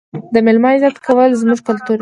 د مېلمه عزت کول زموږ کلتور دی.